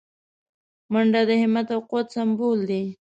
منډه د همت او قوت سمبول دی